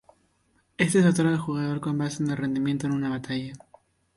Este se otorga al jugador con base en el rendimiento en una batalla.